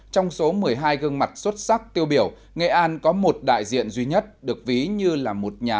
trong số một mươi hai gương mặt xuất sắc tiêu biểu nghệ an có một đại diện duy nhất được ví như là một nhà